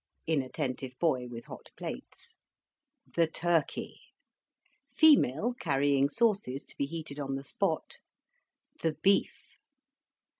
Inattentive Boy with hot plates. THE TURKEY. Female carrying sauces to be heated on the spot. THE BEEF.